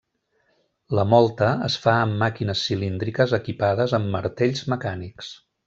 La mòlta es fa amb màquines cilíndriques equipades amb martells mecànics.